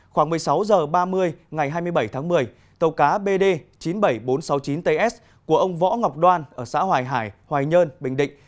khoảng một mươi sáu h ba mươi ngày hai mươi bảy tháng một mươi tàu cá bd chín mươi bảy nghìn bốn trăm sáu mươi chín ts của ông võ ngọc đoan ở xã hoài hải hoài nhơn bình định